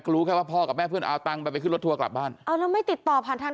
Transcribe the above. รู้แค่ว่าพ่อกับแม่เพื่อนเอาตังค์ไปไปขึ้นรถทัวร์กลับบ้านเอาแล้วไม่ติดต่อผ่านทาง